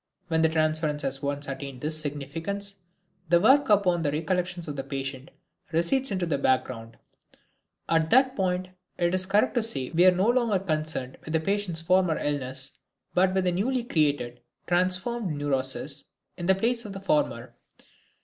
When the transference has once attained this significance the work upon the recollections of the patient recedes into the background. At that point it is correct to say that we are no longer concerned with the patient's former illness, but with a newly created, transformed neurosis, in place of the former.